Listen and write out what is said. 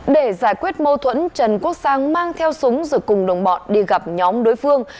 để giải quyết mâu thuẫn trần quốc sang mang theo súng rồi cùng đồng bọn đi gặp nhóm đối phương